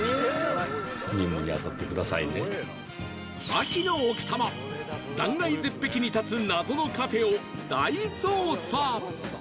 秋の奥多摩断崖絶壁に建つ謎のカフェを大捜査